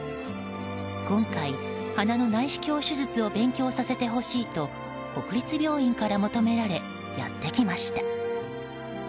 今回、鼻の内視鏡手術を勉強させてほしいと国立病院から求められやってきました。